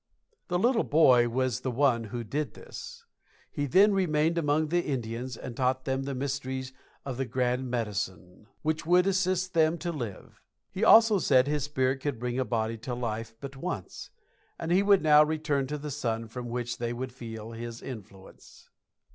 The little bear boy was the one who did this. He then remained among the Indians and taught them the mysteries of the Grand Medicine, which would assist them to live. He also said his spirit could bring a body to life but once, and he would now return to the sun, from which they would feel his influence.